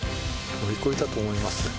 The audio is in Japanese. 乗り越えたと思います。